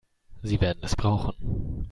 Sie werden es brauchen.